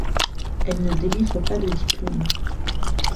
Elle ne délivre pas de diplôme.